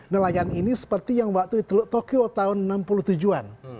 nelayan ini seperti yang waktu di teluk tokyo tahun enam puluh tujuh an